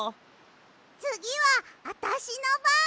つぎはあたしのばん！